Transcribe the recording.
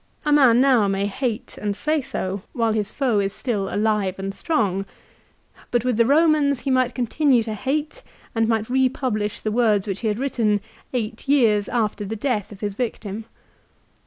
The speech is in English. A man now may hate and say so, while his foe is still alive and strong; but with the Eomans he might continue to hate and might republish the words which he had written eight years after the death of his victim.